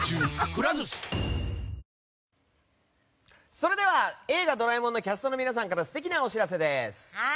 それでは「映画ドラえもん」のキャストの皆さんから素敵なお知らせです。